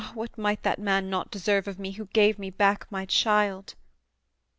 what might that man not deserve of me Who gave me back my child?'